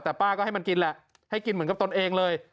แต่ป้าก็ให้มันกินแหละให้กินเหมือนกับตนเองเลย